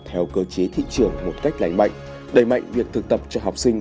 theo cơ chế thị trường một cách lãnh mạnh đẩy mạnh việc thực tập cho học sinh